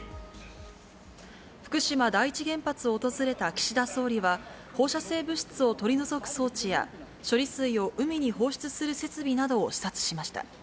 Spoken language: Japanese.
福島第一原発を訪れた岸田総理は、放射性物質を取り除く装置や、処理水を海に放出する設備などを視察しました。